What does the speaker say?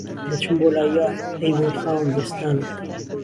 دهچم بۆ لای یار، ئهی وهی خاوهن بێستانه